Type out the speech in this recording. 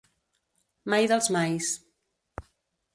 Mai dels mais.